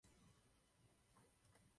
Naše výhrady vůči Radě a Komisi jsou jasné.